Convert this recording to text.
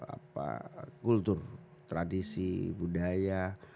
apa kultur tradisi budaya